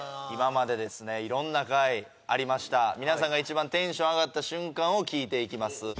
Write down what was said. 今までいろんな回ありました皆さんが一番テンション上がった瞬間を聞いていきます